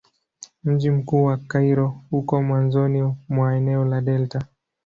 Mji mkuu wa Kairo uko mwanzoni mwa eneo la delta.